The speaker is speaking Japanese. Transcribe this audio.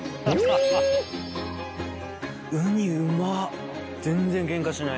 ウニうまっ。